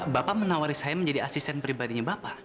bapak menawari saya menjadi asisten pribadinya bapak